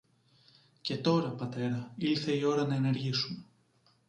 Και τώρα, πατέρα, ήλθε η ώρα να ενεργήσουμε.